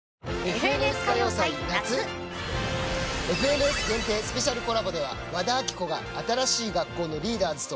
『ＦＮＳ歌謡祭夏』『ＦＮＳ』限定スペシャルコラボでは和田アキ子が新しい学校のリーダーズと。